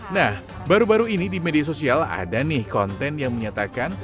nah baru baru ini di media sosial ada nih konten yang menyatakan